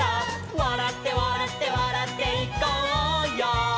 「わらってわらってわらっていこうよ」